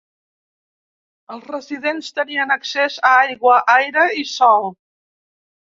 Els residents tenien accés a aigua, aire i sol.